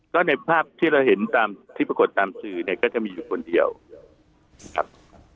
ก็ในภาพที่เราเห็นตามที่ปรากฏตามสื่อเนี่ยก็จะมีอยู่คนเดียวครับ